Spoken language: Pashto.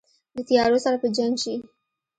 د تیارو سره په جنګ شي